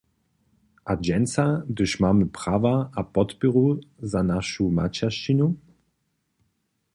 A dźensa, hdyž mamy prawa a podpěru za našu maćeršćinu?